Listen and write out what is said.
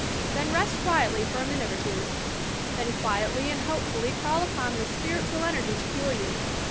Then rest quietly for a minute or two; then quietly and hopefully call upon this Spiritual Energy to cure you.